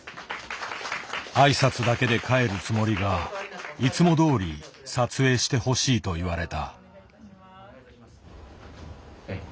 挨拶だけで帰るつもりがいつもどおり撮影してほしいと言われた。